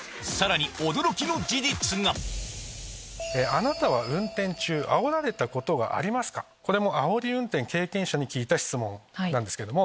そんなこれもあおり運転経験者に聞いた質問なんですけども。